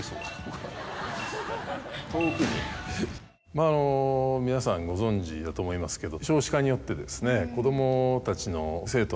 まぁ皆さんご存じだと思いますけど。